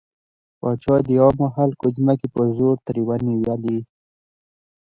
پاچا د عامو خلکو ځمکې په زور ترې ونيولې.